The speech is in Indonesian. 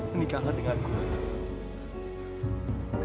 menikahkan dengan gue ratu